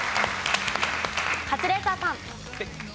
カズレーザーさん。